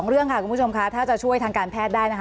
เรื่องค่ะคุณผู้ชมค่ะถ้าจะช่วยทางการแพทย์ได้นะคะ